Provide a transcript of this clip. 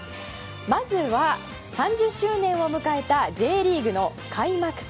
まずは、３０周年を迎えたＪリーグの開幕戦。